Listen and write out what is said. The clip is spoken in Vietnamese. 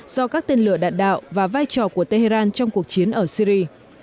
do các tên lửa đạn đạo và vai trò của tehran trong cuộc chiến ở syri